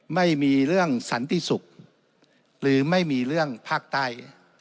ไม่มีเรื่องสันติศุกร์หรือไม่มีเรื่องภาคใต้